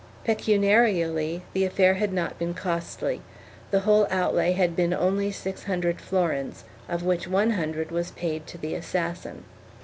1 Pecuniarily the affair had not been costly; the whole outlay had been only six hundred florins, of which one hundred was paid to the assassin.